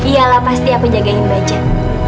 yalah pasti aku jagain bajet